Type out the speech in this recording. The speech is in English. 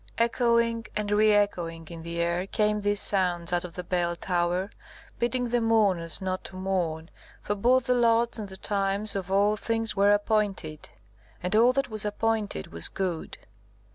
Echoing and re echoing in the air, came these sounds out of the bell tower, bidding the mourners not to mourn, for both the lots and the times of all things were appointed, and all that was appointed was good.